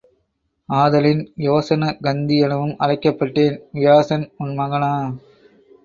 ஆதலின் யோசன கந்தி எனவும் அழைக்கப்பட்டேன். வியாசன் உன் மகனா?